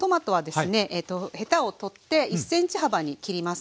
ヘタを取って１ｃｍ幅に切ります。